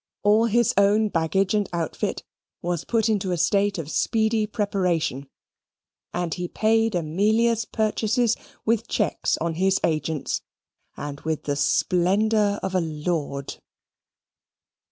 All his own baggage and outfit was put into a state of speedy preparation, and he paid Amelia's purchases with cheques on his agents, and with the splendour of a lord.